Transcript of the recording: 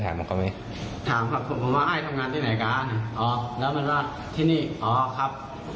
ถ้าผู้ว่ายจัดกวดขนาดนี้ผมไม่ถามหรอกครับ